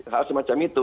hal semacam itu